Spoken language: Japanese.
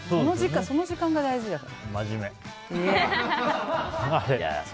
その時間が大事だから。